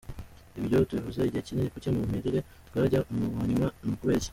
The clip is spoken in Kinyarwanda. Ibyo tubivuze igihe kinini, kuki mu mirire twajya mu ba nyuma? Ni ukubera iki?”.